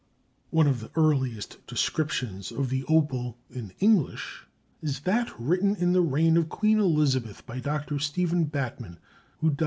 One of the earliest descriptions of the opal in English is that written in the reign of Queen Elizabeth by Dr. Stephen Batman (d.